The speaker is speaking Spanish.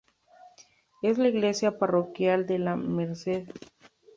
Es la Iglesia Parroquial de la Merced.